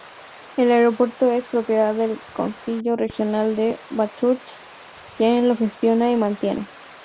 El aeropuerto es propiedad del Concilio Regional de Bathurst, quien lo gestiona y mantiene.